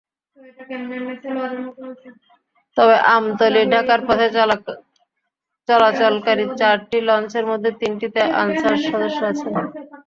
তবে আমতলী-ঢাকার পথে চলাচলকারী চারটি লঞ্চের মধ্যে তিনটিতে আনসার সদস্য আছেন।